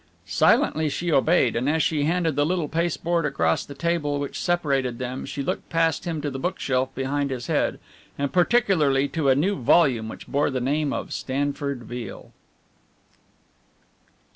Silently she obeyed, and as she handed the little pasteboard across the table which separated them she looked past him to the bookshelf behind his head, and particularly to a new volume which bore the name of Stanford Beale.